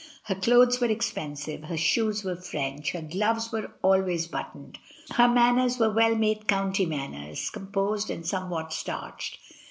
Her clothes were expensive, her shoes were French, her gloves were always buttoned, her manners were well made county manners, composed and somewhat starched.